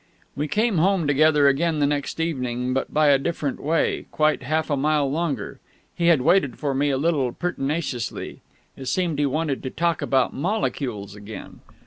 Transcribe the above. We came home together again the next evening, but by a different way, quite half a mile longer. He had waited for me a little pertinaciously. It seemed he wanted to talk about molecules again.